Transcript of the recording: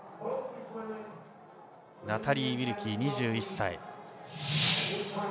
ナタリー・ウィルキー、２１歳。